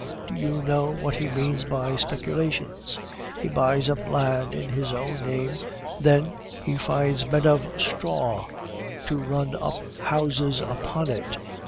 Do you know what he means by speculations? He buys up land in his own name, then he finds men of straw to run up houses upon it.